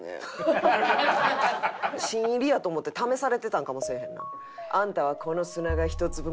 新入りやと思って試されてたんかもせえへんな。